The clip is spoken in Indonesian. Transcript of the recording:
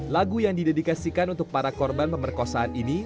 lagu yang didedikasikan untuk para korban pemerkosaan ini